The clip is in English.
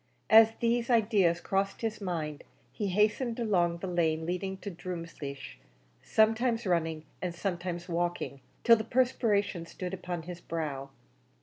As these ideas crossed his mind he hastened along the lane leading to Drumleesh, sometimes running and sometimes walking, till the perspiration stood upon his brow.